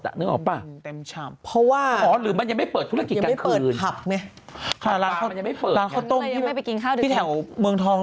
ทุกวันเวลาขับรถกลับผ่าน